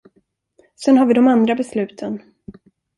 Sen har vi de andra besluten.